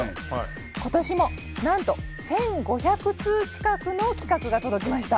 今年もなんと１，５００通近くの企画が届きました。